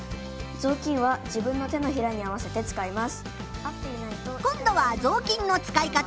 「ぞうきんは自分の手のひらに合わせて使います」。